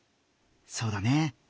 そうだね。